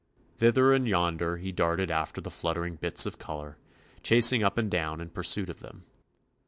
Thither and yonder he darted after the fluttering bits of color, chasing up and down in pursuit of them.